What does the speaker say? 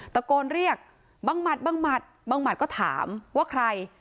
ตะโกนเรียกบังหมัดบังหมัดบังหมัดก็ถามว่าใคร